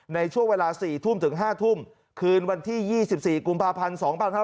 ในช่วงเวลา๔ทุ่มถึง๕ทุ่มคืนวันที่๒๔กุมภาพันธ์๒๕๖๒